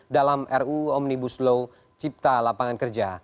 dalam ruu omnibus law cipta lapangan kerja